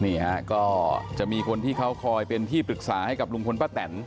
นี่ฮะก็จะมีคนที่เขาคอยเป็นที่ปรึกษาให้กับลุงพลป้าแตน